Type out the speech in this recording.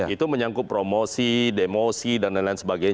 itu menyangkut promosi demosi dll